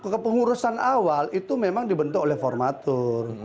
kepengurusan awal itu memang dibentuk oleh formatur